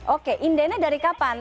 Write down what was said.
oke indennya dari kapan